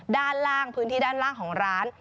ด้านล่างพื้นที่ด้านล่างของร้าน